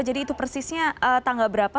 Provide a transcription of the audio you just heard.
jadi itu persisnya tanggal berapa